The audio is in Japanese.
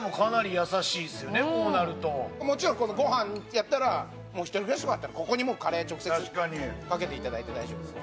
もちろんご飯やったらもう一人暮らしとかだったらここにもうカレー直接かけて頂いて大丈夫です。